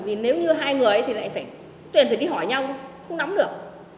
vì nếu như hai người thì lại phải tuyển phải đi hỏi nhau không nắm được